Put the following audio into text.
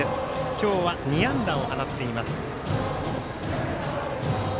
今日は２安打を放っています。